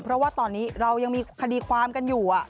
เพราะว่าตอนนี้เรายังมีคดีความกันอยู่